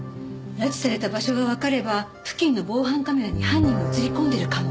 拉致された場所がわかれば付近の防犯カメラに犯人が映り込んでいるかも。